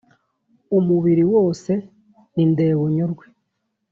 umubiri wose ni ndebunyurwe